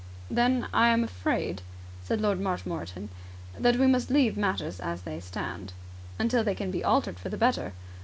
"Then I am afraid," said Lord Marshmoreton, "that we must leave matters as they stand." "Until they can be altered for the better."